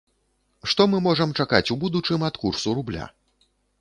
Што мы можам чакаць у будучым ад курсу рубля?